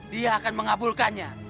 dia akan mengabulkannya